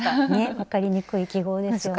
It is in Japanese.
分かりにくい記号ですよね。